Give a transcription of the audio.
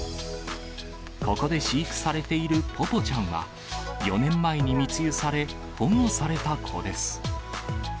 ここで飼育されているポポちゃんは、４年前に密輸され、保護された子です。